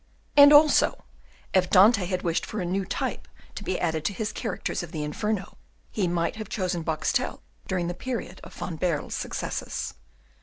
And also, if Dante had wished for a new type to be added to his characters of the Inferno, he might have chosen Boxtel during the period of Van Baerle's successes.